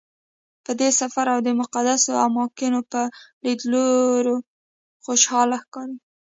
په دې سفر او د مقدسو اماکنو په لیدلو خوشحاله ښکاري.